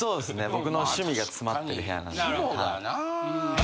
僕の趣味が詰まってる部屋なんで。